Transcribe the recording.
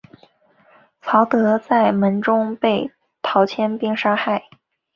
曹德在门中被陶谦兵杀害。